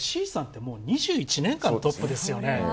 だって、志位さんって２１年間トップですよね。